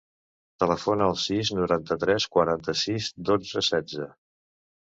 Telefona al sis, noranta-tres, quaranta-sis, dotze, setze.